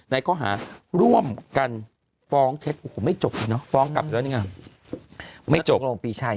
นายก็หาร่วมกันฟ้องเท็จโอ้โหไม่จบเลยเนอะฟ้องกลับไปแล้วนี่ไง